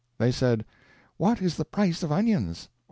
They said, "What is the price of onions?"